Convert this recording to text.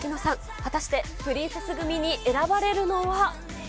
果たしてプリンセス組に選ばれるのは。